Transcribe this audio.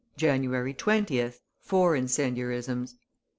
January 20th, four incendiarisms.